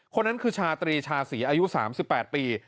คนนั้นคือชาตรีชาศรีอายุ๓๘ปี